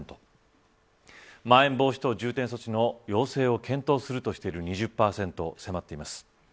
まん延防止等重点措置の要請を検討するとしている２０％に迫っています。